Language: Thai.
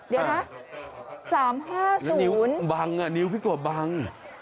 เดี๋ยวนะ๓๕๐นิ้วพี่กบบัง